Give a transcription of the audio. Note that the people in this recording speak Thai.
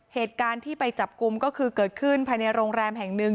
เหตุการณ์ที่ไปจับกลุ่มก็คือเกิดขึ้นภายในโรงแรมแห่งหนึ่ง